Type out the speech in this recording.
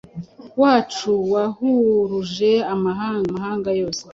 wacu wahuruje amahanga amahanga yose